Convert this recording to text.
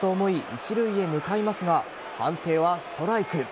一塁へ向かいますが判定はストライク。